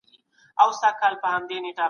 د مدرسو لارښوونې يوازې مذهبي وې.